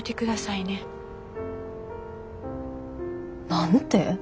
何て？